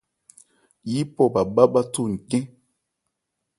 Yípɔ bhâ bhá bháthó ncɛn.